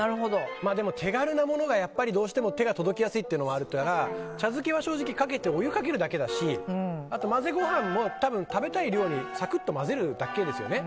手軽なものがやっぱりどうしても手が届きやすいっていうのがあるから茶漬けはお湯をかけるだけだし混ぜご飯も食べたい量にサクッと混ぜるだけですよね。